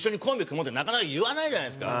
もうってなかなか言わないじゃないですか。